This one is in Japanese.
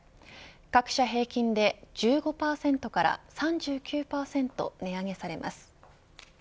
各社平均で１５％から３９％値上げされます。